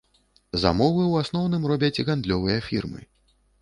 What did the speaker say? Замовы ў асноўным робяць гандлёвыя фірмы.